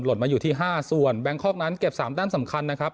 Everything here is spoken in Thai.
หล่นมาอยู่ที่ห้าส่วนแบงคอกนั้นเก็บสามแต้มสำคัญนะครับ